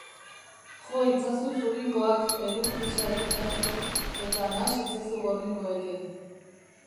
Jo itzazu zuringoak elur gisa egin arte eta nahas itzazu gorringoekin.